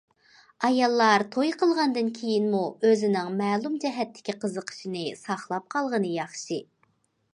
ئاياللار توي قىلغاندىن كېيىنمۇ ئۆزىنىڭ مەلۇم جەھەتتىكى قىزىقىشىنى ساقلاپ قالغىنى ياخشى.